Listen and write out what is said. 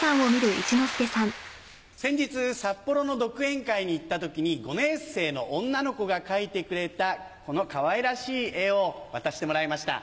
先日札幌の独演会に行った時に５年生の女の子が描いてくれたこのかわいらしい絵を渡してもらいました。